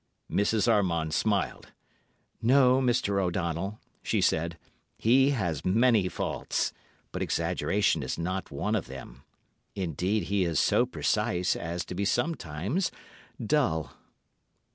Mrs. Armand smiled. "No, Mr. O'Donnell," she said, "he has many faults, but exaggeration is not one of them; indeed, he is so precise as to be sometimes dull."